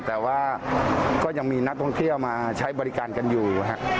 แต่ว่าก็ยังมีนักท่องเที่ยวมาใช้บริการกันอยู่